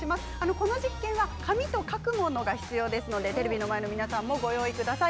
この実験は紙と書くものが必要ですのでテレビの前の皆さんもご用意ください。